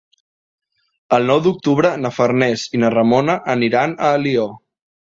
El nou d'octubre na Farners i na Ramona aniran a Alió.